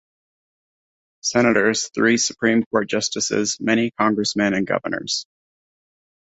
Senators, three Supreme Court Justices, many congressmen, and governors.